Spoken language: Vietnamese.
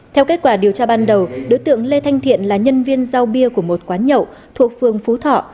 theo kết quả điều tra ban đầu đối tượng lê thanh thiện là nhân viên giao bia của một quán nhậu thuộc phường phú thọ